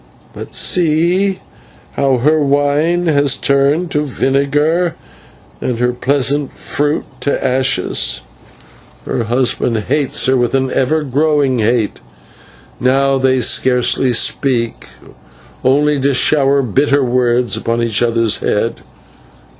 "But see how her wine has been turned to vinegar, and her pleasant fruits to ashes. Her husband hates her with an ever growing hate; now they scarcely speak, or speak only to shower bitter words upon each other's head.